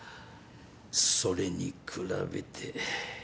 それに比べて。